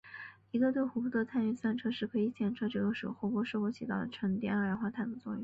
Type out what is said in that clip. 一个对湖泊的碳预算的测试可以检测这个湖泊是否起到了沉淀二氧化碳的作用。